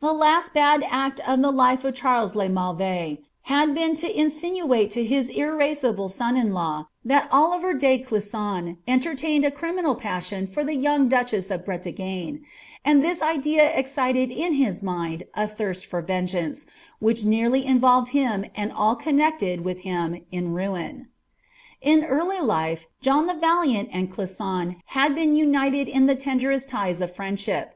The last bad act of the life of Charles le Mauvais, had been to in ■inuaie to his irascible son in law that Oliver de Clisson entertained a criminal passion for the young duchess of Bretagiie ;* and this idea ex cited in his mind a tliirst for vengeance, which nearly involved him and ail connected with him in ruin. In early life, John the Valiant and Clisson had been united in the tenderest ties of friendship.